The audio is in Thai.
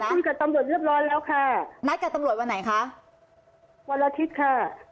ขึ้นกับตำรวจเรียบร้อยแล้วค่ะนัดกับตำรวจวันไหนคะวันอาทิตย์ค่ะ